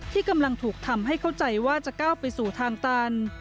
ที่กำลังถูกทำให้เข้าใจว่าจะก้าวไปสู่ทางตัน